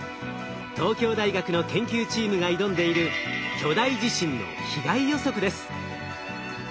東京大学の研究チームが挑んでいる巨大地震の被害予測です。